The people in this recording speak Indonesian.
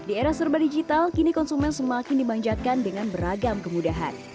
di era serba digital kini konsumen semakin dimanjakan dengan beragam kemudahan